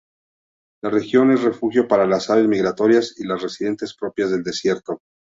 La región es refugio para las aves migratorias y las residentes propias del desierto.